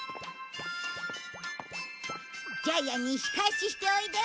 ジャイアンに仕返ししておいで！